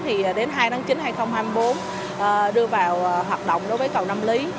thì đến hai tháng chín hai nghìn hai mươi bốn đưa vào hoạt động đối với cầu nam lý